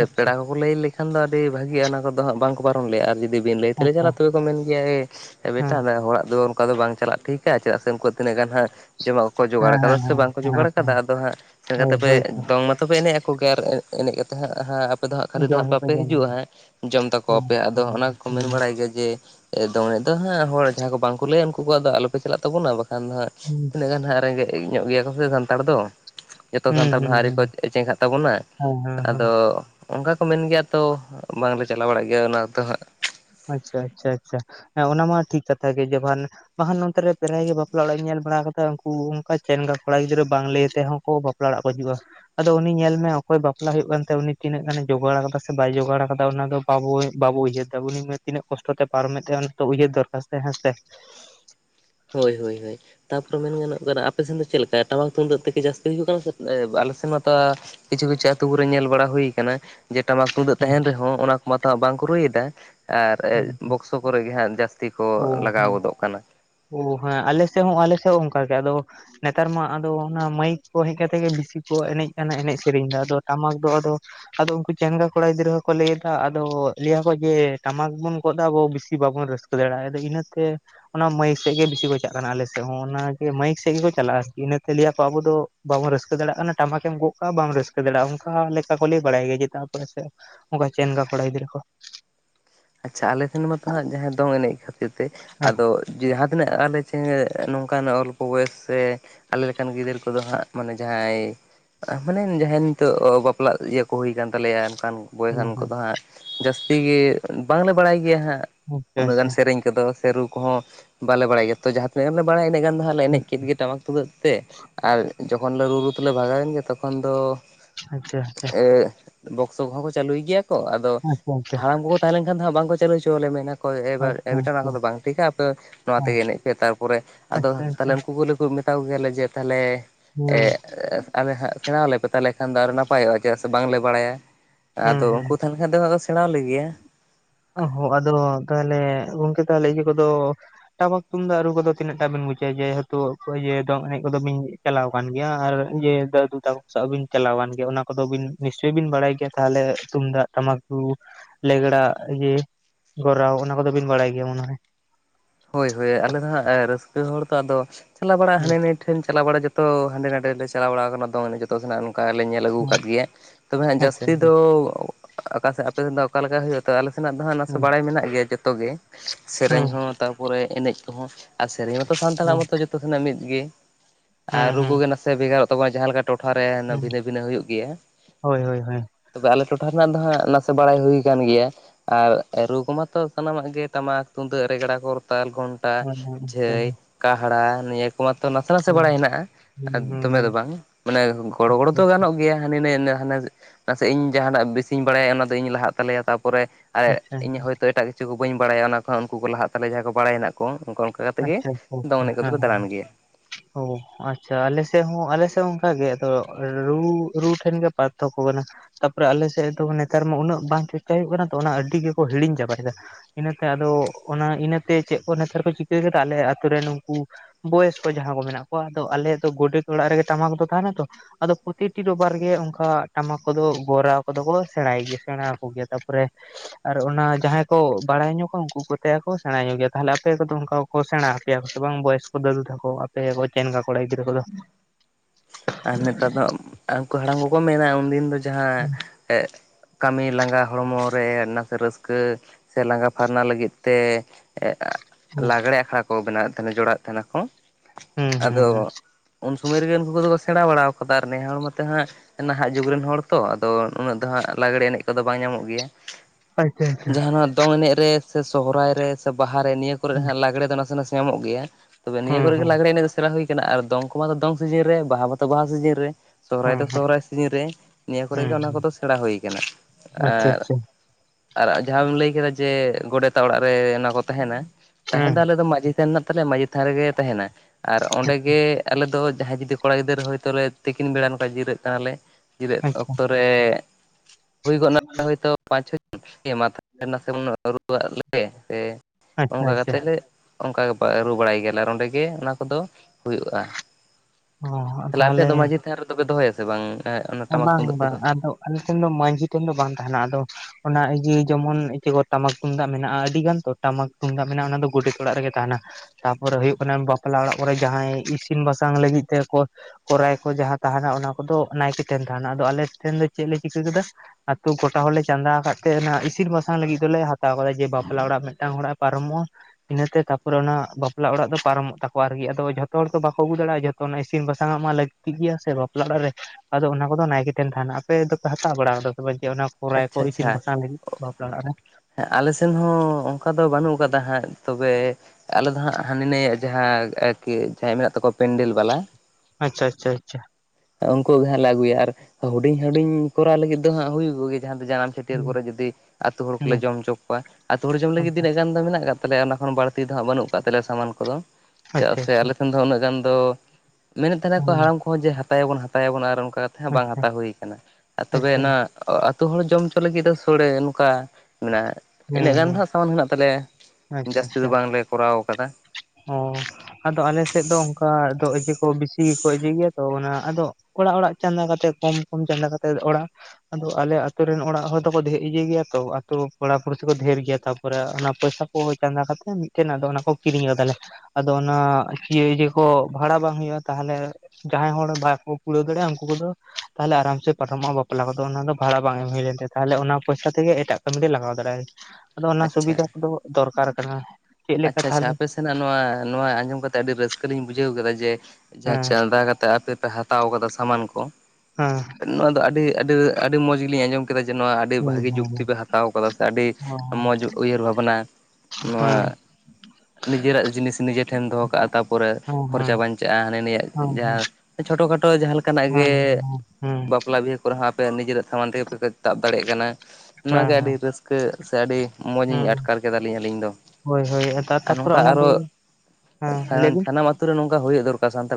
ᱟᱪᱪᱷᱟ ᱯᱮᱲᱟ ᱠᱚᱼᱼ ᱞᱟᱹᱭ ᱞᱮᱠᱷᱟᱱ ᱫᱚ ᱟᱹᱰᱤ ᱵᱷᱟᱹᱜᱤᱜᱼᱟ ᱚᱱᱟ ᱠᱚᱫᱚ ᱦᱟᱸᱜ ᱵᱟᱝ ᱠᱚ ᱵᱟᱨᱚᱱ ᱞᱮᱭᱟ ᱟᱨ ᱡᱩᱫᱤᱼᱼ ᱵᱤᱱ ᱞᱟᱹᱭ ᱛᱮᱞᱮ ᱟᱪᱪᱷᱟ ᱪᱟᱞᱟᱜᱼᱟ, ᱛᱚᱵᱮ ᱠᱚ ᱢᱮᱱ ᱜᱮᱭᱟ ᱮ ᱦᱮᱸ ᱵᱮᱴᱟ ᱦᱚᱲᱟᱜ ᱫᱚ ᱚᱱᱠᱟ ᱫᱚ ᱵᱟᱝ ᱪᱟᱞᱟᱜ ᱠᱟᱱᱟ ᱾ ᱴᱷᱤᱠᱟ ᱪᱮᱫᱟᱜ ᱥᱮ ᱩᱱᱠᱩᱣᱟᱜ ᱛᱤᱱᱟᱹᱜ ᱜᱟᱱ ᱦᱟᱸᱜ ᱡᱚᱢᱟᱜ ᱠᱚᱠᱚ ᱡᱚᱜᱟᱲ ᱦᱮᱸ ᱠᱟᱫᱟ ᱦᱮᱸ ᱥᱮ ᱦᱮᱸ ᱵᱟᱝᱠᱚ ᱦᱮᱸ ᱡᱚᱜᱟᱲ ᱠᱟᱫᱟ ᱦᱮᱸ ᱟᱫᱚ ᱦᱟᱸᱜ, [unintelligible] ᱦᱳᱭ ᱠᱟᱛᱮ ᱯᱮ ᱦᱳᱭ ᱛᱚ ᱫᱚᱝ ᱢᱟᱛᱚ ᱯᱮ ᱮᱱᱮᱡ ᱟᱠᱚ ᱜᱮᱭᱟ ᱟᱨ ᱮᱱᱮᱡ ᱠᱟᱛᱮ ᱦᱟᱸᱜ [unintelligible] ᱟᱯᱮ ᱫᱚ ᱦᱟᱸᱜ ᱠᱷᱟᱹᱞᱤ ᱫᱚ ᱡᱚᱢ ᱦᱟᱸᱜ ᱦᱚᱸᱯᱮ ᱵᱟᱯᱮ ᱡᱚᱢ ᱦᱤᱡᱩᱜᱼᱟ ᱜᱮᱭᱟ ᱦᱟᱸᱜ ᱡᱚᱢ ᱛᱟᱠᱚᱣᱟ ᱦᱮᱸ ᱯᱮ ᱦᱮᱸ ᱟᱫᱚ ᱦᱮᱸ ᱚᱱᱟ ᱠᱚ ᱢᱮᱱ ᱵᱟᱲᱟᱭ ᱜᱮᱭᱟ, ᱡᱮ ᱮ ᱫᱚᱝ ᱮᱱᱮᱡ ᱫᱚ ᱦᱟᱸᱜ ᱦᱚᱲ ᱡᱟᱦᱟᱸ ᱠᱚ ᱵᱟᱝᱠᱚ ᱞᱟᱹᱭᱟ ᱩᱱᱠᱩ ᱠᱚᱣᱟᱜ ᱫᱚ ᱟᱞᱚ ᱯᱮ ᱪᱟᱞᱟᱜ ᱛᱟᱵᱚᱱᱟ ᱵᱟᱠᱷᱟᱱ ᱫᱚ ᱦᱟᱸᱜ ᱛᱤᱱᱟᱹᱜ ᱜᱟᱱ ᱦᱟᱸᱜ ᱨᱮᱸᱜᱮᱡ ᱧᱚᱜ ᱜᱮᱭᱟ ᱠᱚ ᱥᱮ ᱥᱟᱱᱛᱟᱲ ᱫᱚ ᱾ ᱡᱚᱛᱚ ᱦᱮᱸ ᱥᱟᱱᱛᱟᱲ ᱫᱚ ᱦᱟᱸᱜ ᱦᱮᱸ ᱟᱹᱣᱨᱤ ᱠᱚ ᱪᱮᱸᱜᱷᱟᱜ ᱛᱟᱵᱚᱱᱟ, ᱦᱮᱸ ᱦᱮᱸ ᱦᱮᱸ ᱟᱫᱚ ᱚᱱᱠᱟ ᱠᱚ ᱢᱮᱱ ᱜᱮᱭᱟ ᱛᱚ ᱵᱟᱝᱞᱮ ᱪᱟᱞᱟᱣ ᱵᱟᱲᱟᱜ ᱜᱮᱭᱟ ᱚᱱᱟᱛᱮ ᱦᱟᱸᱜ ᱾ ᱟᱪᱪᱷᱟ ᱟᱪᱪᱷᱟ ᱟᱪᱪᱷᱟ ᱾ ᱦᱮᱸ, ᱚᱱᱟ ᱢᱟ ᱴᱷᱤᱠ ᱠᱟᱛᱷᱟ ᱜᱮ, ᱡᱮᱢᱚᱱ ᱢᱟᱦᱟᱱ ᱱᱚᱛᱮ ᱨᱮ ᱯᱮᱨᱟᱭ ᱜᱮ ᱵᱟᱯᱞᱟ ᱚᱲᱟᱜ ᱤᱧ ᱧᱮᱞ ᱵᱟᱲᱟ ᱠᱟᱫᱟ, ᱩᱱᱠᱩ ᱚᱱᱠᱟ ᱪᱮᱱᱜᱟ ᱠᱚᱲᱟ ᱜᱤᱫᱽᱨᱟᱹ ᱵᱟᱝ ᱞᱟᱹᱭ ᱟᱛᱮ ᱛᱮᱦᱚᱸᱼᱼ ᱟᱠᱚ ᱵᱟᱯᱞᱟ ᱚᱲᱟᱜ ᱠᱚ ᱦᱤᱡᱩᱜᱼᱟ ᱾ ᱟᱫᱚ ᱩᱱᱤ ᱧᱮᱞ ᱢᱮ ᱚᱠᱚᱭ ᱵᱟᱯᱞᱟ ᱦᱩᱭᱩᱜ ᱠᱟᱱ ᱛᱟᱭᱟ ᱩᱱᱤ ᱛᱤᱱᱟᱹᱜ ᱜᱟᱱᱮ ᱡᱚᱜᱟᱲ ᱠᱟᱫᱟ ᱥᱮ ᱵᱟᱭ ᱡᱳᱜᱟᱲ ᱠᱟᱫᱟ ᱚᱱᱟ ᱫᱚᱼᱼ [unintelligible] ᱛᱚᱵᱮ ᱩᱱᱤ ᱢᱮ ᱛᱤᱱᱟᱹᱜ ᱠᱚᱥᱴᱚ ᱛᱮ ᱯᱟᱨᱚᱢᱮᱫ ᱛᱟᱦᱮᱸᱱᱟ ᱱᱤᱛᱚᱜ ᱩᱭᱦᱟᱹᱨ ᱫᱚᱨᱠᱟᱨ ᱛᱟᱭ ᱦᱮᱸ ᱥᱮ ᱾ ᱦᱳᱭ ᱦᱳᱭ ᱦᱳᱭ ᱛᱟᱯᱚᱨᱮ ᱢᱮᱱ ᱜᱟᱱᱚᱜ ᱠᱟᱱᱟ ᱟᱯᱮ‌ ᱥᱮᱱ ᱫᱚ ᱪᱮᱫ ᱞᱮᱠᱟ ᱴᱟᱢᱟᱠ ᱛᱩᱢᱫᱟᱹᱜ ᱛᱮᱜᱮ ᱡᱟᱹᱥᱛᱤ ᱦᱩᱭᱩᱜ ᱠᱟᱱᱟ ᱥᱮ [unintelligible] ᱟᱞᱮ ᱥᱮᱱ ᱢᱟᱛᱚ ᱠᱤᱪᱷᱩ ᱠᱤᱪᱷᱩ ᱟᱹᱛᱩ ᱠᱚᱨᱮ ᱧᱮᱞ ᱵᱟᱲᱟ ᱦᱩᱭ ᱠᱟᱱᱟ ᱡᱮ ᱴᱟᱢᱟᱠ ᱛᱩᱢᱫᱟᱹᱜ ᱦᱩᱸ ᱛᱟᱦᱮᱱ ᱨᱮᱦᱚᱸ ᱚᱱᱟ ᱠᱚ ᱢᱟᱛᱚ ᱦᱟᱜ ᱵᱟᱝ ᱠᱚ ᱨᱩᱭ ᱮᱫᱟ ᱟᱨ ᱦᱩᱸ ᱦᱩᱸ ᱵᱚᱠᱥᱚ ᱠᱚᱨᱮ ᱜᱮ ᱦᱟᱸᱜ ᱡᱟᱹᱥᱛᱤ ᱠᱚ ᱞᱟᱜᱟᱣ ᱦᱚᱸ ᱜᱚᱫᱚᱜ ᱠᱟᱱᱟ ᱚ ᱦᱮᱸ ᱟᱞᱮ ᱥᱮᱫ ᱦᱚᱸ ᱟᱞᱮ ᱥᱮᱫ ᱦᱚᱸ ᱚᱱᱠᱟ ᱜᱮ ᱟᱫᱚᱼᱼ ᱱᱮᱛᱟᱨ ᱢᱟ ᱟᱫᱚ ᱚᱱᱟ ᱢᱟᱹᱭᱤᱠ ᱠᱚ ᱦᱮᱡ ᱠᱟᱛᱮᱜ ᱜᱮ ᱵᱮᱥᱤ ᱠᱚ ᱮᱱᱮᱡ ᱠᱟᱱᱟ ᱮᱱᱮᱡ ᱥᱮᱨᱮᱧ ᱫᱟ ᱟᱫᱚ ᱴᱟᱢᱟᱠ ᱫᱚ ᱟᱫᱚᱼᱼ ᱟᱫᱚ ᱩᱱᱠᱩ ᱪᱮᱝᱲᱟ ᱠᱚᱲᱟ ᱜᱤᱫᱽᱨᱟᱹ ᱦᱚᱸᱠᱚ ᱞᱟᱹᱭ ᱮᱫᱟ ᱟᱫᱚ ᱞᱟᱹᱭᱟ ᱠᱚ ᱡᱮ ᱴᱟᱢᱟᱠ ᱵᱚᱱ ᱜᱚᱜ ᱫᱟ ᱟᱵᱚ ᱵᱤᱥᱤ ᱵᱟᱵᱚᱱ ᱨᱟᱹᱥᱼᱼ [unintelligible] ᱟᱫᱚ ᱤᱱᱟᱹ ᱛᱮ ᱚᱱᱟ ᱢᱟᱹᱭᱤᱼᱼ ᱥᱮᱫ ᱜᱮ ᱵᱤᱥᱤ ᱠᱚ ᱪᱟᱜ ᱠᱟᱱᱟ ᱟᱞᱮ ᱥᱮᱫ ᱦᱚᱸ ᱚᱱᱟ ᱜᱮ ᱢᱟᱹᱭᱤᱠ ᱥᱮᱫ ᱜᱮᱠᱚ ᱪᱟᱞᱟᱜ-ᱟ ᱤᱱᱟᱹᱛᱮ ᱞᱟᱹᱭ ᱟᱠᱚ ᱟᱵᱚ ᱫᱚᱼᱼ ᱵᱟᱵᱚᱱ ᱨᱟᱹᱥᱠᱟᱹ ᱫᱟᱲᱮᱜ ᱠᱟᱱᱟ ᱴᱟᱢᱟᱠ ᱮᱢ ᱜᱚᱜ ᱠᱟᱜ-ᱟ ᱵᱟᱢ ᱨᱟᱹᱥᱠᱟᱹ ᱫᱟᱲᱮᱜ-ᱟ ᱚᱱᱠᱟ ᱞᱮᱠᱟ ᱠᱚ ᱞᱟᱹᱭ ᱵᱟᱲᱟᱭ ᱜᱮᱭᱟ ᱪᱮᱛᱟ ᱟᱯᱮ ᱠᱚ ᱥᱮᱼᱼ ᱚᱱᱠᱟ ᱪᱮᱱᱜᱟ ᱠᱚᱲᱟ ᱜᱤᱫᱽᱨᱟᱹ ᱠᱚᱼᱼ ᱟᱪᱪᱷᱟ ᱟᱞᱮ ᱴᱷᱮᱱ ᱢᱟᱛᱚ ᱦᱟᱸᱜ ᱡᱟᱦᱟᱸ ᱫᱚᱝ ᱮᱱᱮᱡ ᱠᱷᱟᱹᱛᱤᱨ ᱛᱮ ᱦᱮᱸ ᱟᱫᱚ [unintelligible] ᱛᱤᱱᱟᱹᱜ ᱟᱞᱮ ᱪᱮ ᱱᱚᱝᱠᱟᱱ ᱚᱞᱯᱚ ᱵᱚᱭᱮᱥ ᱥᱮᱼᱼ ᱟᱞᱮ ᱞᱮᱠᱟᱱ ᱜᱤᱫᱽᱟᱹᱨ ᱠᱚᱫᱚ ᱦᱟᱸᱜ ᱢᱟᱱᱮ ᱡᱟᱦᱟᱸᱭᱼᱼ ᱢᱟᱱᱮ ᱡᱟᱦᱟᱸᱭ ᱱᱤᱛᱚᱜ ᱵᱟᱯᱞᱟ ᱤᱭᱟᱹ ᱠᱚ ᱦᱩᱭ ᱠᱟᱱ ᱛᱟᱞᱮᱭᱟ ᱚᱱᱠᱟᱱ ᱦᱮᱸ ᱵᱚᱭᱮᱥᱟᱱ ᱦᱮᱸ ᱠᱚᱫᱚ ᱦᱟᱸᱜ ᱡᱟᱹᱥᱛᱤ ᱜᱮ ᱵᱟᱝᱞᱮ ᱵᱟᱲᱟᱭ ᱜᱮᱭᱟ ᱦᱟᱸᱜ ᱩᱱᱟᱹᱜ ᱜᱟᱱ ᱟᱪᱪᱷᱟ ᱥᱮᱨᱮᱧ ᱤᱱᱠᱟᱹ ᱠᱚᱫᱚ ᱥᱮ ᱨᱩ ᱠᱚ ᱦᱚᱸᱼᱼ ᱵᱟᱞᱮ ᱵᱟᱲᱟᱭ ᱜᱮᱭᱟ ᱛᱚ ᱡᱟᱦᱟᱸ ᱛᱤᱱᱟᱹᱜ ᱜᱟᱱ ᱞᱮ ᱵᱟᱲᱟᱭᱟ ᱤᱱᱟᱹ ᱜᱟᱱ ᱫᱚ ᱦᱟᱸᱜ ᱞᱮ ᱮᱱᱮᱡ ᱠᱮᱫ ᱜᱮ ᱴᱟᱢᱟᱠ ᱛᱩᱫᱟᱹᱜ ᱛᱮ ᱟᱨ ᱡᱚᱠᱷᱚᱱ ᱞᱮ ᱨᱩ ᱨᱩ ᱛᱮᱞᱮ ᱵᱷᱟᱜᱟᱣ ᱮᱱ ᱜᱮ ᱛᱚᱠᱷᱚᱱ ᱫᱚ ᱟᱪᱪᱷᱟ ᱟᱪᱪᱷᱟ ᱮ ᱵᱚᱠᱥᱚ ᱠᱚᱦᱚᱸ ᱠᱚ ᱪᱟᱹᱞᱩᱭ ᱜᱮᱭᱟ ᱠᱚ ᱟᱫᱚ ᱟᱪᱪᱷᱟ ᱟᱪᱪᱷᱟ ᱦᱟᱲᱟᱢ ᱠᱚᱠᱚ ᱛᱟᱦᱮᱸ ᱞᱮᱱ ᱠᱷᱟᱱ ᱫᱚ ᱦᱟᱸᱜ ᱵᱟᱝ ᱠᱚ ᱪᱟᱹᱞᱩ ᱦᱚᱪᱚᱣ ᱞᱮᱭᱟ ᱢᱮᱱᱟ ᱮ ᱟᱪᱪᱷᱟ ᱵᱟ ᱮᱵᱮᱴᱟ ᱟᱪᱪᱷᱟ ᱚᱱᱟ ᱠᱚᱫᱚ ᱵᱟᱝ ᱴᱷᱤᱠᱟ ᱟᱯᱮᱼᱼ ᱱᱚᱣᱟ ᱦᱚᱸ ᱛᱮᱜᱮ ᱮᱱᱮᱡ ᱯᱮ ᱛᱟᱨᱯᱚᱨᱮ ᱟᱫᱚ ᱟᱪᱪᱷᱟ ᱟᱪᱪᱷᱟ ᱛᱟᱞᱦᱮ ᱩᱱᱠᱩ ᱠᱩᱞᱤ ᱠᱩ ᱢᱮ ᱛᱟ ᱠᱚᱜᱮᱭᱟᱞᱮ ᱡᱮ ᱛᱟᱦᱞᱮ ᱦᱮᱸ ᱟᱞᱮ ᱦᱟᱸᱜ ᱥᱮᱬᱟᱣ ᱞᱮᱯᱮ ᱛᱟᱞᱦᱮ ᱠᱷᱟᱱ ᱫᱚ ᱟᱨᱚ ᱱᱟᱯᱟᱭᱚᱜᱼᱟ ᱪᱮᱫᱟᱜ ᱥᱮ ᱵᱟᱝᱞᱮ ᱵᱟᱲᱟᱭᱟ ᱾ ᱦᱮᱸ ᱟᱫᱚ ᱩᱱᱠᱩ ᱦᱮᱸ ᱛᱟᱦᱮ ᱞᱮᱠᱷᱟᱱ ᱫᱚ ᱦᱟᱜ ᱠᱚ ᱥᱮᱬᱟᱣ ᱞᱮᱜᱮᱭᱟ ᱾ ᱚ ᱦᱚ ᱟᱫᱚ ᱛᱟᱦᱞᱮ ᱜᱚᱝᱠᱮ ᱛᱟᱦᱚᱞᱮ ᱤᱭᱟᱹ ᱠᱚᱫᱚ ᱴᱟᱢᱟᱠ ᱛᱩᱱᱫᱟᱜ ᱨᱩ ᱠᱚᱫᱚ ᱛᱤᱱᱟᱹᱜ ᱴᱟ ᱵᱤᱱ ᱵᱩᱡᱟ ᱡᱮᱦᱮᱛᱩ ᱫᱚᱝ ᱮᱱᱮᱡ ᱠᱚᱫᱚ ᱵᱤᱱ ᱪᱟᱞᱟᱣ ᱟᱠᱟᱱ ᱜᱮᱭᱟ ᱟᱨ ᱡᱮ ᱫᱟᱫᱩ ᱛᱟᱠᱚ ᱥᱟᱜ ᱦᱚ ᱵᱤᱱ ᱪᱟᱞᱟᱣᱟᱱ ᱜᱮᱭᱟ ᱚᱱᱟ ᱠᱚᱫᱚ ᱵᱤᱱ ᱱᱤᱥᱪᱳᱭ ᱵᱤᱱ ᱵᱟᱲᱟᱭ ᱜᱮᱭᱟ? ᱛᱟᱦᱚᱞᱮ ᱛᱩᱢᱫᱟᱜ ᱴᱟᱢᱟᱠ ᱨᱩ, ᱞᱮᱜᱽᱲᱟ ᱜᱨᱟᱣ ᱚᱱᱟ ᱠᱚᱫᱚ ᱵᱤᱱ ᱵᱟᱲᱟᱭ ᱜᱮᱭᱟ ᱢᱚᱱᱮ ᱦᱚᱭ? ᱦᱳᱭ ᱦᱳᱭ ᱟᱞᱮ ᱫᱚ ᱦᱟᱸᱜ ᱨᱟᱹᱥᱠᱟᱹ ᱦᱚᱲ ᱛᱚ ᱟᱫᱚ ᱪᱟᱞᱟᱣ ᱵᱟᱲᱟ ᱦᱩᱸ ᱦᱟᱱᱤ ᱱᱟᱹᱭ ᱴᱷᱮᱱ ᱪᱟᱞᱟᱣ ᱵᱟᱲᱟ ᱡᱚᱛᱚ ᱦᱟᱸᱰᱮ ᱱᱟᱰᱮ ᱞᱮ ᱪᱟᱞᱟᱣ ᱵᱟᱲᱟᱣ ᱠᱟᱱᱟ ᱫᱚᱝ ᱮᱱᱮᱡ ᱡᱚᱛᱚ ᱥᱮᱱᱟᱜ ᱚᱱᱠᱟ ᱞᱮ ᱧᱮᱞ ᱟᱹᱜᱩᱣ ᱦᱩᱸ ᱠᱟᱫ ᱜᱮᱭᱟ, ᱛᱚᱵᱮ ᱦᱟᱸᱜ ᱟᱪᱪᱷᱟ ᱡᱟᱹᱥᱛᱤ ᱦᱮᱸ ᱫᱚ ᱟᱠᱟ ᱥᱮ ᱟᱯᱮ ᱥᱮᱱ ᱫᱚ ᱚᱠᱟ ᱞᱮᱠᱟ ᱦᱩᱭᱩᱜ-ᱟ? ᱛᱚ ᱟᱞᱮ ᱥᱮᱱᱟᱜ ᱫᱚ ᱦᱟᱸᱜ ᱱᱟᱥᱮ ᱵᱟᱲᱟᱭ ᱢᱮᱱᱟᱜ ᱜᱮᱭᱟ ᱡᱚᱛᱚ ᱜᱮ ᱥᱮᱨᱮᱧ ᱦᱚᱸ ᱛᱟᱯᱚᱨᱮ ᱮᱱᱮᱡ ᱠᱚᱦᱚᱸ, ᱟᱨ ᱥᱮᱨᱮᱧ ᱢᱟᱛᱚ ᱥᱟᱱᱛᱟᱲᱟᱜ ᱢᱟᱛᱚ ᱡᱚᱛᱚ ᱥᱮᱱᱟᱜ ᱢᱤᱫ ᱜᱮ ᱾ ᱟᱨ ᱦᱮᱸ ᱨᱩ ᱦᱮᱸ ᱠᱚᱜᱮ ᱱᱟᱥᱮ ᱵᱷᱮᱜᱟᱨᱚᱜ ᱛᱟᱵᱚᱱᱟ ᱡᱟᱦᱟᱸ ᱞᱮᱠᱟ ᱴᱚᱴᱷᱟ ᱨᱮ ᱦᱮᱸ ᱵᱷᱤᱱᱟᱹ ᱵᱷᱤᱱᱟᱹ ᱦᱩᱭᱩᱜ ᱜᱮᱭᱟ ᱦᱳᱭ ᱦᱳᱭ ᱦᱳᱭ ᱾ ᱛᱚᱵᱮ ᱟᱞᱮ ᱴᱚᱴᱷᱟ ᱨᱮᱱᱟᱜ ᱫᱚ ᱦᱟᱸᱜ ᱱᱟᱥᱮ ᱵᱟᱲᱟᱭ ᱦᱩᱭ ᱠᱟᱱ ᱜᱮᱭᱟ ᱾ ᱟᱨ ᱨᱩ ᱠᱚ ᱢᱟᱛᱚ ᱥᱟᱱᱟᱢᱟᱜ ᱜᱮ ᱴᱟᱢᱟᱠ, ᱛᱩᱢᱫᱟᱹᱜ, ᱨᱮᱜᱽᱲᱟ, ᱠᱚᱨᱛᱟᱞ, ᱜᱷᱚᱱ ᱴᱟ, ᱦᱩᱸ ᱦᱩᱸ ᱟᱪᱪᱷᱟ ᱡᱷᱟᱹᱭ, ᱠᱟᱦᱲᱟ ᱱᱤᱭᱟᱹ ᱠᱚ ᱢᱟᱛᱚ ᱱᱟᱥᱮ ᱱᱟᱥᱮ ᱦᱩᱸ ᱵᱟᱲᱟᱭ ᱦᱮᱱᱟᱜ-ᱟ ᱾ ᱦᱩᱸ ᱟᱨ ᱦᱩᱸ ᱫᱚᱢᱮ ᱫᱚ ᱦᱩᱸ ᱵᱟᱝ, ᱢᱟᱱᱮ ᱜᱚᱲᱚ ᱜᱚᱲᱚ ᱫᱚ ᱜᱟᱱᱚᱜ ᱜᱮᱭᱟ ᱦᱟᱹᱱᱤ ᱱᱟᱭ ᱦᱟᱱᱟ ᱚᱱᱟ ᱥᱮ ᱤᱧ ᱡᱟᱦᱟᱱᱟᱜ ᱵᱮᱥᱤᱧ ᱵᱟᱲᱟᱭᱟ ᱚᱱᱟ ᱫᱚ ᱤᱧ ᱞᱟᱦᱟᱜ ᱛᱟᱞᱮᱭᱟ ᱛᱟᱯᱚᱨᱮ ᱟᱨ ᱟᱪᱪᱷᱟ ᱤᱧ ᱦᱳᱭᱛᱚ ᱮᱴᱟᱜ ᱠᱤ ᱪᱷᱩ ᱠᱚ ᱵᱟᱹᱧ ᱵᱲᱟᱭᱟ ᱚᱱᱟ ᱠᱚ ᱦᱟᱸᱜ ᱩᱱᱠᱩ ᱠᱚ ᱞᱟᱦᱟᱜ ᱛᱟᱞᱮ ᱡᱟᱦᱟᱸᱭ ᱠᱚ ᱵᱟᱲᱟᱭ ᱦᱮᱱᱟᱜ ᱠᱚ ᱚᱱᱠᱟ ᱚᱱᱠᱟ ᱠᱟᱛᱮ ᱜᱮ ᱟᱪᱪᱷᱟ ᱟᱪᱪᱷᱟ ᱫᱚᱝ ᱟᱪᱪᱷᱟ ᱮᱱᱮᱡ ᱠᱚᱫᱚ ᱦᱮᱸ ᱞᱮ ᱦᱮᱸ ᱫᱟᱬᱟᱱ ᱜᱮᱭᱟ ᱾ ᱚ ᱟᱪᱪᱷᱟ ᱟᱞᱮ ᱥᱮᱫ ᱦᱚᱸ ᱟᱞᱮ ᱥᱮᱫ ᱦᱚᱸ ᱚᱱᱠᱟ ᱜᱮ ᱟᱫᱚ ᱨᱩ ᱨᱩ ᱴᱷᱮᱱ ᱜᱮ ᱯᱟᱨᱛᱷᱚᱠᱠᱚ ᱠᱟᱱᱟ ᱾ ᱛᱟᱯᱚᱨᱮ ᱟᱞᱮ ᱥᱮᱫ ᱫᱚ ᱱᱮᱛᱟᱨ ᱢᱟ ᱩᱱᱟᱹᱜ ᱵᱟᱝ ᱪᱚᱨᱪᱟ ᱦᱩᱭᱩᱜ ᱠᱟᱱᱟ ᱛᱚ ᱚᱱᱟ ᱟᱹᱰᱤ ᱜᱮᱠᱚ ᱦᱤᱲᱤᱧ ᱪᱟᱵᱟᱭᱮᱫᱟ ᱾ ᱤᱱᱟᱹᱛᱮ ᱟᱫᱚ ᱚᱱᱟ ᱤᱱᱟᱹᱛᱮ ᱪᱮᱫ ᱠᱚ ᱱᱮᱛᱟᱨ ᱠᱚ ᱪᱤᱠᱟᱹ ᱠᱟᱫᱟ ᱟᱞᱮ ᱟᱛᱩ ᱨᱮ ᱱᱩᱝᱠᱩ ᱵᱚᱭᱮᱥ ᱠᱚ ᱡᱟᱦᱟᱸ ᱠᱚ ᱢᱮᱱᱟᱜ ᱠᱚᱣᱟ ᱟᱫᱚ ᱟᱞᱮᱭᱟᱜ ᱫᱚ ᱜᱚᱰᱮᱛ ᱚᱲᱟᱜ ᱨᱮᱜᱮ ᱴᱟᱢᱟᱠ ᱠᱚ ᱫᱚ ᱛᱟᱦᱮᱱᱟ ᱛᱚ ᱟᱫᱚ ᱯᱨᱚᱛᱤᱴᱤ ᱨᱳᱵᱟᱨ ᱜᱮ ᱚᱱᱠᱟ ᱴᱟᱢᱟᱠ ᱠᱚᱫᱚ ᱜᱚᱨᱟᱣ ᱠᱚᱫᱚ ᱠᱚ ᱥᱮᱬᱟᱭ ᱜᱮᱭᱟ ᱥᱮᱬᱟ ᱟᱠᱚᱜᱮᱭᱟ ᱾ ᱛᱟᱨᱯᱚᱨᱮ ᱟᱨ ᱚᱱᱟ ᱡᱟᱦᱟᱸᱭ ᱠᱚ ᱵᱟᱲᱟᱭ ᱧᱚᱜᱟ ᱩᱱᱠᱩ ᱠᱚᱛᱮ ᱟᱠᱚ ᱥᱮᱬᱟ ᱧᱚᱜ ᱜᱮᱭᱟ ᱛᱟᱦᱞᱮ ᱟᱯᱮ ᱠᱚᱫᱚ ᱚᱱᱠᱟ ᱠᱚ ᱥᱮᱬᱟ ᱦᱟᱯᱮᱭᱟ ᱠᱚ ᱥᱮ ᱵᱟᱝ ᱵᱚᱭᱚᱥᱠᱚ ᱠᱚ ᱫᱟᱹᱫᱩ ᱛᱟᱠᱚ ᱟᱯᱮ ᱠᱚ ᱪᱮᱱᱜᱟ ᱠᱚᱲᱟ ᱜᱤᱫᱽᱨᱟᱹ ᱠᱚᱫᱚ? ᱟᱨ ᱱᱮᱛᱟᱨ ᱫᱚ ᱦᱟᱜ ᱩᱱᱠᱩ ᱦᱟᱲᱟᱢ ᱠᱚᱠᱚ ᱢᱮᱱᱟ ᱩᱱᱫᱤᱱ ᱫᱚ ᱡᱟᱦᱟᱸ ᱦᱩᱸ ᱮᱜ ᱠᱟᱹᱢᱤ ᱞᱟᱸᱜᱟ ᱦᱚᱲᱢᱚ ᱨᱮ ᱱᱟᱥᱮ ᱨᱟᱹᱥᱠᱟᱹ ᱥᱮ ᱞᱟᱸᱜᱟ ᱯᱷᱟᱨᱱᱟ ᱞᱟᱹᱜᱤᱫ ᱛᱮ ᱮᱸᱜ ᱦᱩᱸ ᱞᱟᱜᱽᱲᱮ ᱟᱠᱷᱲᱟ ᱠᱚ ᱵᱮᱱᱟᱣᱮᱫ ᱛᱟᱦᱮᱱᱟ ᱡᱚᱲᱟᱣᱮᱫ ᱛᱟᱦᱮᱱᱟᱠᱚ ᱾ ᱦᱩᱸ ᱟᱫᱚ ᱩᱱ ᱥᱚᱢᱚᱭ ᱨᱮᱜᱮ ᱩᱱᱠᱩ ᱠᱚ ᱫᱚᱠᱚ ᱥᱮᱬᱟ ᱵᱟᱲᱟᱣ ᱠᱟᱫᱟ ᱟᱨ ᱱᱮ ᱦᱚᱲ ᱢᱟᱛᱚ ᱦᱟᱸᱜ ᱱᱟᱦᱟᱜ ᱡᱩᱜᱽ ᱨᱮᱱ ᱦᱚᱲ ᱛᱚ ᱟᱫᱚ ᱩᱱᱟᱹᱜ ᱫᱚ ᱦᱟᱸᱜ ᱞᱟᱜᱽᱲᱮ ᱮᱱᱮᱡ ᱠᱚᱫᱚ ᱵᱟᱝ ᱧᱟᱢᱚᱜ ᱜᱮᱭᱟ ᱾ ᱟᱪᱪᱷᱟ ᱟᱪᱪᱷᱟ ᱡᱟᱦᱟᱸᱱᱟᱜ ᱫᱚᱝ ᱮᱱᱮᱡ ᱨᱮ, ᱥᱮ ᱥᱚᱦᱨᱟᱭ ᱨᱮ, ᱥᱮ ᱵᱟᱦᱟ ᱨᱮ ᱱᱤᱭᱟᱹ ᱠᱚᱨᱮ ᱦᱩᱸ ᱦᱟᱸᱜ ᱞᱟᱜᱽᱲᱮ ᱫᱚ ᱱᱟᱥᱮ ᱱᱟᱥᱮ ᱧᱟᱢᱚᱜ ᱜᱮᱭᱟ ᱾ ᱛᱚᱵᱮ ᱱᱤᱭᱟᱹ ᱦᱩᱸ ᱠᱚᱨᱮ ᱜᱮ ᱦᱩᱸ ᱞᱟᱜᱽᱲᱮ ᱮᱱᱮᱡ ᱫᱚ ᱥᱮᱬᱟ ᱦᱩᱭ ᱟᱠᱟᱱᱟ ᱟᱨ ᱫᱚᱝ ᱠᱚᱢᱟ ᱫᱚ ᱫᱚᱝ ᱥᱤᱡᱤᱱ ᱨᱮ, ᱵᱟᱦᱟ ᱵᱟᱦᱟ ᱥᱤᱡᱤᱱ ᱨᱮ ᱾ ᱥᱚᱦᱨᱟᱭ ᱦᱩᱸ ᱫᱚ ᱥᱚᱦᱨᱟᱭ ᱥᱤᱡᱤᱱ ᱨᱮ ᱱᱤᱭᱟᱹ ᱠᱚᱨᱮ ᱦᱩᱸ ᱜᱮ ᱚᱱᱟ ᱦᱩᱸ ᱠᱚᱫᱚ ᱥᱮᱬᱟ ᱦᱩᱭ ᱠᱟᱱᱟ ᱾ ᱟᱪᱪᱷᱟ ᱮᱸᱫ ᱟᱪᱪᱷᱟ ᱟᱨ ᱡᱟᱦᱟᱸᱢ ᱞᱟᱹᱭ ᱠᱮᱫᱟ ᱡᱮ ᱜᱚᱰᱮᱛᱟᱜ ᱚᱲᱟᱜ ᱨᱮ ᱚᱱᱟ ᱠᱚ ᱛᱟᱦᱮᱱᱟ ᱛᱟᱦᱮᱱ ᱦᱩᱸ ᱫᱚ ᱟᱞᱮ ᱫᱚ ᱢᱟᱺᱡᱷᱤ ᱛᱷᱟᱱ ᱢᱮᱱᱟᱜ ᱛᱟᱞᱮᱭᱟ ᱢᱟᱺᱡᱷᱤ ᱛᱷᱟᱱ ᱨᱮᱜᱮ ᱛᱟᱦᱮᱱᱟ ᱟᱨ ᱚᱸᱰᱮ ᱜᱮ ᱟᱞᱮ ᱫᱚ ᱡᱟᱦᱟᱸᱭ ᱡᱩᱫᱤ ᱠᱚᱲᱟ ᱜᱤᱫᱽᱨᱟᱹ ᱦᱳᱭ ᱛᱚᱞᱮ ᱛᱤᱠᱤᱱ ᱵᱮᱲᱟ ᱱᱚᱝᱠᱟ ᱡᱤᱨᱟᱹᱜ ᱠᱟᱱᱟ ᱞᱮ ᱡᱤᱨᱟᱹᱜ ᱟᱪᱪᱷᱟ ᱚᱠᱛᱚ ᱨᱮ ᱦᱩᱭ ᱜᱚᱫ ᱮᱱᱟ ᱦᱚᱭᱛᱚ ᱯᱟᱸᱪ ᱪᱷᱚ ᱡᱚᱱ [inaudible] ᱢᱟ ᱛᱟᱦᱞᱮ ᱱᱟᱥᱮ ᱵᱚᱱ ᱨᱩᱣᱟᱜ ᱞᱮᱜᱮ ᱥᱮ ᱟᱪᱪᱷᱟ ᱚᱱᱠᱟ ᱟᱪᱪᱷᱟ ᱠᱟᱛᱮ ᱞᱮ ᱚᱱᱠᱟ ᱨᱩ ᱵᱟᱲᱟᱭ ᱜᱮᱭᱟᱞᱮ ᱟᱨ ᱚᱸᱰᱮ ᱜᱮ ᱚᱱᱟ ᱠᱚᱫᱚ ᱦᱩᱭᱩᱜᱼᱟ᱾ ᱛᱟᱦᱚᱞᱮ ᱟᱯᱮ ᱫᱚ ᱢᱟᱺᱡᱷᱤ ᱛᱷᱟᱱ ᱨᱮᱫᱚ ᱯᱮ ᱫᱚᱦᱚᱭᱟ ᱥᱮ ᱵᱟᱝ ᱚᱱᱟ ᱴᱟᱢᱟᱠ ᱵᱟᱝ ᱛᱩᱢᱫᱟᱜ ᱵᱟᱝ ᱠᱚᱫᱚᱼᱼ ᱟᱫᱚ ᱟᱞᱮ ᱴᱷᱮᱱ ᱫᱚ ᱢᱟᱹᱡᱷᱤ ᱴᱷᱮᱱ ᱫᱚ ᱵᱟᱝ ᱛᱟᱦᱮᱱᱟ ᱟᱫᱚᱼᱼ ᱚᱱᱟ ᱤᱭᱟᱹ ᱡᱮᱢᱚᱱ ᱴᱟᱢᱟᱠ ᱛᱩᱢᱫᱟᱜ ᱢᱮᱱᱟᱜᱼᱟ ᱟᱹᱰᱤ ᱜᱟᱱ ᱛᱚ ᱴᱟᱢᱟᱠ ᱛᱩᱢᱫᱟᱜ ᱢᱮᱱᱟᱜ-ᱟ ᱚᱱᱟ ᱫᱚ ᱜᱚᱰᱮᱛ ᱚᱲᱟᱜ ᱨᱮᱜᱮ ᱛᱟᱦᱮᱱᱟ᱾ ᱛᱟᱯᱚᱨᱮ ᱦᱩᱭᱩᱜ ᱠᱟᱱᱟ ᱵᱟᱯᱞᱟ ᱚᱲᱟᱜ ᱠᱚᱨᱮ ᱡᱟᱦᱟᱸᱭ ᱤᱥᱤᱱ ᱵᱟᱥᱟᱝ ᱞᱟᱹᱜᱤᱫ ᱛᱮᱠᱚᱼᱼ ᱠᱚᱨᱟᱭ ᱠᱚ ᱡᱟᱦᱟᱸ ᱛᱟᱦᱮᱱᱟ ᱚᱱᱟ ᱠᱚᱫᱚ ᱱᱟᱭᱠᱮ ᱴᱷᱮᱱ ᱛᱟᱦᱮᱱᱟ ᱟᱫᱚ ᱟᱞᱮ ᱴᱷᱮᱱ ᱫᱚ ᱪᱮᱫ ᱞᱮ ᱪᱤᱠᱟᱹ ᱠᱮᱫᱟ᱾᱾ ᱟᱛᱳ ᱜᱚᱴᱟ ᱦᱚᱲᱞᱮ ᱪᱟᱸᱫᱟ ᱟᱠᱟᱫ ᱛᱮ ᱚᱱᱟ ᱤᱥᱤᱱ ᱵᱟᱥᱟᱝ ᱞᱟᱹᱜᱤᱫ ᱫᱚᱞᱮ ᱦᱟᱛᱟᱣ ᱟᱠᱟᱫᱟ ᱡᱮ ᱵᱟᱯᱞᱟ ᱚᱲᱟᱜ ᱢᱤᱫᱴᱟᱝ ᱦᱚᱲᱟᱜ ᱮ ᱯᱟᱨᱚᱢᱚᱜᱼᱟ᱾ ᱤᱱᱟᱹᱛᱮ ᱛᱟᱯᱚᱨᱮ ᱚᱱᱟ ᱵᱟᱯᱞᱟ ᱚᱲᱟᱜ ᱫᱚ ᱯᱟᱨᱚᱢᱚᱜ ᱛᱟᱠᱚᱣᱟ ᱟᱨᱠᱤ ᱟᱫᱚ ᱡᱷᱚᱛᱚ ᱦᱚᱲ ᱫᱚ ᱵᱟᱠᱚ ᱟᱹᱜᱩ ᱫᱟᱲᱮᱭᱟᱜᱼᱟ ᱡᱷᱚᱛᱚ ᱤᱥᱤᱱ ᱵᱟᱥᱟᱝ ᱢᱟ ᱞᱟᱹᱠ ᱛᱤᱜ ᱜᱮᱭᱟ ᱥᱮ ᱵᱟᱯᱞᱟ ᱚᱲᱟᱜ ᱨᱮ ᱟᱫᱚ ᱚᱱᱟ ᱠᱚᱫᱚ ᱱᱟᱭᱠᱮ ᱴᱷᱮᱱ ᱛᱟᱦᱮᱱᱟ ᱟᱯᱮ ᱫᱚᱯᱮ ᱦᱟᱛᱟᱣ ᱵᱟᱲᱟᱫᱟ ᱡᱮᱼᱼᱼ ᱼᱼᱼ [inaudible] ᱠᱚ ᱟᱪᱪᱷᱟ ᱤᱥᱤᱱ ᱟᱪᱪᱷᱟ ᱵᱟᱥᱟᱝ ᱞᱟᱹᱜᱤᱫ ᱵᱟᱯᱞᱟ ᱚᱲᱟᱜ ᱨᱮ ᱦᱮᱸ ᱟᱞᱮ ᱥᱮᱱ ᱦᱚᱸ ᱚᱱᱠᱟ ᱫᱚ ᱵᱟᱹᱱᱩᱜ ᱟᱠᱟᱫᱟ ᱦᱟᱸᱜ ᱛᱚᱵᱮᱼᱼ ᱟᱞᱮ ᱫᱚ ᱦᱟᱸᱜ ᱦᱟᱹᱱᱤ ᱱᱟᱹᱭᱟᱜ ᱡᱟᱦᱟᱸᱠᱤ ᱡᱟᱦᱟᱸᱭ ᱢᱮᱱᱟᱜ ᱛᱟᱠᱚᱣᱟ ᱯᱮᱱᱰᱮᱞ ᱵᱟᱞᱟ᱾ ᱟᱪᱪᱷᱟ ᱟᱪᱪᱷᱟ ᱟᱪᱪᱷᱟ ᱩᱱᱠᱩ ᱜᱮ ᱦᱟᱸᱜ ᱞᱮ ᱟᱹᱜᱩᱭᱟ ᱟᱨ ᱦᱩᱰᱤᱧ ᱦᱩᱰᱤᱧ ᱠᱚᱨᱟᱣ ᱞᱟᱹᱜᱤᱫ ᱫᱚ ᱦᱟᱸᱜ ᱦᱩᱭ ᱠᱚᱜᱮ ᱡᱟᱦᱟᱸ ᱫᱚ ᱡᱟᱱᱟᱢᱼᱼ ᱪᱷᱟᱹᱴᱭᱟᱹᱨ ᱦᱩᱸ ᱦᱩᱸ ᱠᱚᱨᱮ ᱡᱩᱫᱤ ᱟᱛᱳ ᱦᱚᱲ ᱠᱚᱞᱮ ᱟᱪᱪᱷᱟ ᱡᱚᱢ ᱦᱚᱪᱚ ᱠᱚᱣᱟ ᱟᱛᱳ ᱦᱚᱲ ᱡᱚᱢ ᱞᱟᱹᱜᱤᱫ ᱛᱤᱱᱟᱹᱜ ᱜᱟᱱ ᱫᱚ ᱢᱮᱱᱟᱜ ᱠᱟᱫ ᱚᱱᱟ ᱠᱷᱚᱱ ᱵᱟᱹᱲᱛᱤ ᱫᱚ ᱵᱟᱹᱱᱩᱜ ᱠᱟᱜ ᱛᱟᱞᱮᱭᱟ ᱥᱟᱢᱟᱱ ᱠᱚᱫᱚ ᱪᱮᱫᱟᱜ ᱟᱪᱪᱷᱟ ᱥᱮ ᱟᱞᱮ ᱴᱷᱮᱱ ᱫᱚ ᱩᱱᱟᱹᱜ ᱜᱟᱱ ᱫᱚ ᱢᱮᱱᱮᱫ ᱛᱟᱦᱮᱱᱟᱠᱚ ᱦᱩᱸ ᱦᱟᱲᱟᱢ ᱠᱚᱦᱚᱸ ᱡᱮ ᱦᱟᱛᱟᱭᱟᱵᱚᱱ ᱦᱟᱛᱟᱭᱟᱵᱚᱱ ᱟᱨ ᱚᱱᱠᱟ ᱠᱟᱛᱮ ᱦᱚᱸ ᱵᱟᱝ ᱟᱪᱪᱷᱟ ᱦᱟᱛᱟᱣ ᱦᱩᱭ ᱠᱟᱱᱟ ᱛᱚᱵᱮ ᱟᱪᱪᱷᱟ ᱚᱱᱟ᱾ ᱟᱹᱛᱩ ᱦᱚᱲ ᱡᱚᱢ ᱦᱚᱪᱚ ᱞᱟᱹᱜᱤᱫ ᱫᱚ ᱥᱳᱲᱮ ᱱᱚᱝᱠᱟ [inaudible] ᱦᱩᱸ ᱤᱱᱟᱹᱜ ᱜᱟᱱ ᱫᱚ ᱦᱩᱸ ᱥᱟᱢᱟᱱ ᱦᱮᱱᱟᱜ ᱛᱟᱞᱮᱭᱟ ᱟᱪᱪᱷᱟ ᱡᱟᱹᱥᱛᱤ ᱟᱪᱪᱷᱟ ᱫᱚ ᱵᱟᱝᱞᱮ ᱠᱚᱨᱟᱣ ᱟᱠᱟᱫᱟ᱾ ᱚ ᱟᱫᱚ ᱟᱞᱮ ᱥᱮᱫ ᱫᱚ ᱚᱱᱠᱟ [inaudible] ᱵᱤᱥᱤ ᱜᱮᱠᱚ ᱡᱮ ᱜᱮᱭᱟ ᱛᱚ ᱚᱱᱟ ᱟᱫᱚ ᱚᱲᱟᱜ ᱚᱲᱟᱜ ᱪᱟᱸᱫᱟ ᱠᱟᱛᱮᱫ ᱠᱚᱢ ᱠᱚᱢ ᱪᱟᱸᱫᱟ ᱠᱟᱛᱮᱫ ᱚᱲᱟᱜ ᱟᱫᱚ ᱟᱞᱮ ᱟᱛᱳ ᱨᱮᱱ ᱚᱲᱟᱜ ᱦᱚᱲ ᱫᱚᱠᱚ ᱤᱭᱟᱹ ᱜᱮᱭᱟ ᱛᱚ ᱟᱛᱳ ᱯᱮᱲᱟ ᱯᱩᱲᱥᱤᱠᱚ ᱰᱷᱮᱨ ᱜᱮᱭᱟ ᱛᱟᱯᱚᱨᱮ ᱚᱱᱟ ᱯᱚᱭᱥᱟ ᱠᱚ ᱪᱟᱸᱫᱟ ᱠᱟᱛᱮ ᱢᱤᱫᱴᱷᱮᱱ ᱟᱫᱚ ᱚᱱᱟ ᱠᱚ ᱠᱤᱨᱤᱧ ᱠᱟᱫᱟᱞᱮᱼᱼ ᱟᱫᱚ ᱚᱱᱟ ᱤᱭᱟᱹ ᱤᱭᱟᱹ ᱠᱚ ᱵᱷᱟᱲᱟ ᱵᱟᱝ ᱦᱩᱭᱩᱜᱼᱟ ᱛᱟᱦᱚᱞᱮᱼᱼ ᱡᱟᱦᱟᱸᱭ ᱦᱚᱲ ᱵᱟᱠᱚ ᱠᱩᱲᱟᱹᱣ ᱫᱟᱲᱮᱭᱟᱜᱼᱟ ᱩᱱᱠᱩ ᱠᱚᱫᱚ ᱛᱟᱦᱚᱞᱮ ᱟᱨᱟᱢ ᱥᱮ ᱯᱟᱨᱚᱢᱚᱜᱼᱟ ᱵᱟᱯᱞᱟ ᱠᱚᱫᱚ ᱚᱱᱟ ᱫᱚ ᱵᱷᱟᱲᱟ ᱵᱟᱝ ᱮᱢ ᱦᱩᱭ ᱞᱮᱱ ᱛᱟᱭᱟ᱾ ᱛᱟᱦᱚᱞᱮ ᱚᱱᱟ ᱯᱚᱭᱥᱟ ᱛᱮᱜᱮ ᱮᱴᱟᱜ ᱠᱟᱹᱢᱤ ᱨᱮ ᱞᱟᱜᱟᱣ ᱫᱟᱲᱮᱭᱟᱜᱼᱟ ᱟᱫᱚ ᱚᱱᱟ ᱟᱪᱪᱷᱟ ᱥᱩᱵᱤᱫᱷᱟ ᱠᱚᱫᱚ ᱫᱚᱨᱠᱟᱨ ᱠᱟᱱᱟ᱾ ᱪᱮᱫ ᱞᱮᱠᱟ ᱟᱪᱪᱷᱟ ᱟᱪᱪᱷᱟ ᱛᱟᱦᱚᱞᱮ ᱟᱯᱮ ᱥᱮᱱᱟᱜ ᱱᱚᱣᱟ ᱱᱚᱣᱟ ᱟᱸᱡᱚᱢ ᱠᱟᱛᱮᱜ ᱟᱹᱰᱤ ᱨᱟᱹᱥᱠᱟᱹ ᱞᱤᱧ ᱵᱩᱡᱷᱟᱹᱣ ᱠᱮᱫᱟ ᱡᱮᱼ ᱡᱟᱦᱟ ᱦᱮᱸ ᱪᱟᱸᱫᱟ ᱠᱟᱛᱮᱫ ᱟᱯᱮᱯᱮ ᱦᱟᱛᱟᱣ ᱟᱠᱟᱫᱟ ᱥᱟᱢᱟᱱ ᱠᱚ ᱱᱚᱣᱟ ᱫᱚ ᱟᱹᱰᱤ ᱟᱹᱰᱤᱼᱼ ᱟᱹᱰᱤ ᱢᱚᱸᱡᱽ ᱜᱮᱞᱤᱧ ᱟᱡᱚᱢ ᱠᱮᱫᱟ ᱡᱮ ᱱᱚᱣᱟ᱾ ᱟᱹᱰᱤ ᱵᱷᱟᱜᱤ ᱡᱩᱠᱛᱤ ᱯᱮ ᱦᱟᱛᱟᱣ ᱟᱠᱟᱫᱟ ᱥᱮ ᱟᱹᱰᱤ ᱢᱚᱡᱽ ᱩᱭᱦᱟᱹᱨ ᱵᱷᱟᱵᱽᱱᱟ ᱱᱚᱣᱟ᱾ ᱱᱤᱡᱮᱨᱟᱜ ᱡᱤᱱᱤᱥ ᱱᱤᱡᱮ ᱴᱷᱮᱱ ᱫᱚᱦᱚ ᱠᱟᱜᱼᱟ ᱛᱟᱯᱚᱨᱮ ᱠᱷᱚᱨᱪᱟ ᱵᱟᱧᱪᱟᱜᱼᱟ ᱦᱟᱱᱤ ᱱᱤᱭᱟᱜ ᱡᱟᱦᱟᱸ ᱪᱷᱳᱴᱚ ᱠᱷᱟᱴᱳ ᱡᱟᱦᱟᱸ ᱞᱮᱠᱟᱱᱟᱜ ᱜᱮ ᱦᱮᱸ ᱵᱟᱯᱞᱟ ᱵᱤᱟᱹ ᱠᱚᱨᱮ ᱦᱚᱸ ᱟᱯᱮ ᱱᱤᱡᱮᱨᱟᱜ ᱛᱷᱟᱢᱟᱱ ᱛᱮᱜᱯᱮ ᱛᱟᱵ ᱫᱟᱲᱮᱭᱟᱜ ᱠᱟᱱᱟ᱾ ᱦᱮᱸ ᱚᱱᱟᱜᱮ ᱟᱹᱰᱤ ᱨᱟᱹᱥᱠᱟᱹ ᱥᱮ ᱟᱹᱰᱤ ᱢᱚᱡᱽᱤᱧ ᱦᱮᱸ ᱟᱴᱠᱟᱨ ᱠᱮᱫᱟᱞᱤᱧ ᱟᱹᱞᱤᱧ ᱫᱚᱼᱼ ᱦᱳᱭ ᱦᱳᱭ ᱛᱟ- ᱟᱨ ᱛᱟᱨᱯᱚᱨᱮ ᱱᱚᱝᱠᱟ ᱚᱱᱟ ᱟᱨᱚ ᱫᱚ ᱦᱮᱸ ᱞᱟᱹᱭ ᱵᱤᱱ ᱥᱟᱱᱟᱢ ᱟᱛᱳ ᱨᱮ ᱱᱚᱝᱠᱟ ᱦᱩᱭᱩᱜ ᱫᱚᱨᱠᱟᱨ ᱥᱟᱱᱛᱟᱲ ᱟᱛᱳ